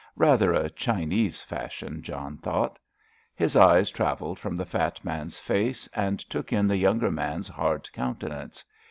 Rather a Chinese fashion, John thought. His eyes travelled from the fat man's face and took in the younger man's hard countenance.